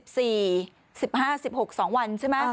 ๑๕๑๖สองวันใช่ไหม